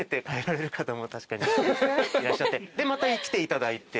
でまた来ていただいて。